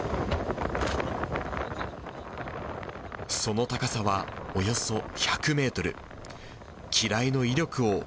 その高さはおよそ１００メートル。